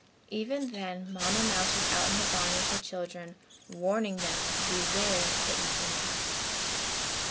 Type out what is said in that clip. Even then Mamma mouse was out in the barn with her children, warning them to beware of kittens and cats.